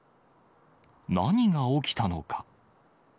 何が起きたのか。